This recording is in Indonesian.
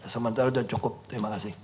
sementara sudah cukup terima kasih